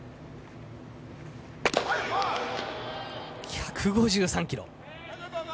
１５３キロ。